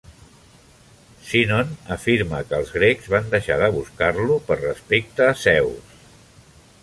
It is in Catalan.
Sinon afirma que els grecs van deixar de buscar-lo per respecte a Zeus.